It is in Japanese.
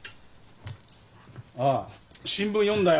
あ新聞読んだよ。